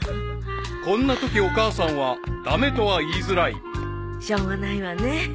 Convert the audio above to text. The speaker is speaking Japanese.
［こんなときお母さんは駄目とは言いづらい］しょうがないわね。